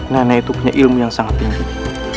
namanya itu punya ilmu yang sangat penting